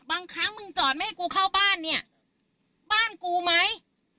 บางครั้งมึงจอดไม่ให้กูเข้าบ้านเนี่ยบ้านกูไหม